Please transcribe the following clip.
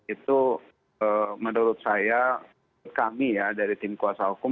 itu menurut saya kami ya dari tim kuasa hukum